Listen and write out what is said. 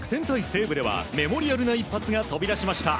西武ではメモリアルな一発が飛び出しました。